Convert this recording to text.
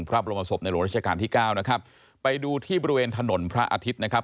พระบรมศพในหลวงราชการที่เก้านะครับไปดูที่บริเวณถนนพระอาทิตย์นะครับ